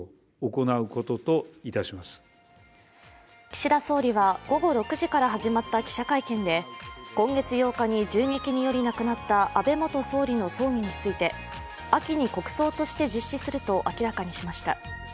岸田総理は午後６時から始まった記者会見で今月８日に銃撃により亡くなった安倍元総理の葬儀について秋に国葬として実施すると明らかにしました。